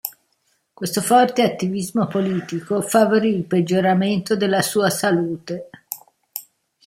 Questo forte attivismo politico favorì il peggioramento della sua salute.